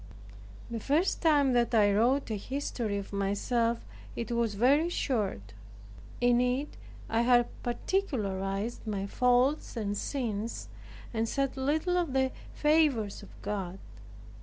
The first time that I wrote a history of myself, it was very short. In it I had particularized my faults and sins, and said little of the favors of God.